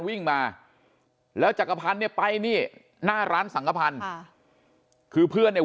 วิ่งมาแล้วจักรพันธ์เนี่ยไปนี่หน้าร้านสังขพันธ์ค่ะคือเพื่อนเนี่ย